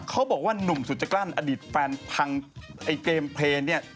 เขาบอกว่าหนุ่มสุดจะกล้านอดีตแฟนทางเกมเพลย์นี่